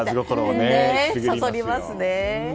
そそりますね。